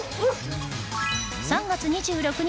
３月２６日